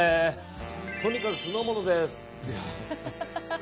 とにかく酢の物です。